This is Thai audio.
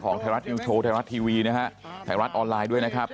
ไทยรัฐนิวโชว์ไทยรัฐทีวีนะฮะไทยรัฐออนไลน์ด้วยนะครับ